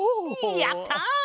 やった！